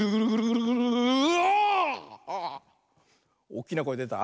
おっきなこえでた？